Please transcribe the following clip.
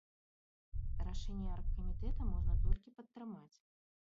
Рашэнне аргкамітэта можна толькі падтрымаць.